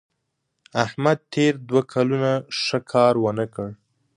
احمد تېر دوه کلونه ښه کار ونه کړ.